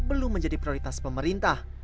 belum menjadi prioritas pemerintah